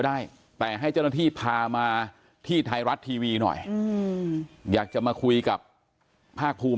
ได้แต่ให้เจ้าหน้าที่พามาที่ไทยรัฐทีวีหน่อยอยากจะมาคุยกับภาคภูมิ